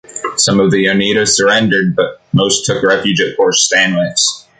Some of the Oneida surrendered, but most took refuge at Fort Stanwix.